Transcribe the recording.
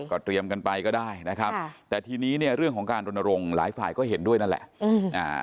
ก็เตรียมกันไปก็ได้นะครับค่ะแต่ทีนี้เนี่ยเรื่องของการรณรงค์หลายฝ่ายก็เห็นด้วยนั่นแหละอืมอ่า